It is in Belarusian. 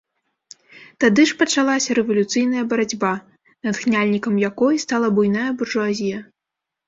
Тады ж пачалася рэвалюцыйная барацьба, натхняльнікам якой стала буйная буржуазія.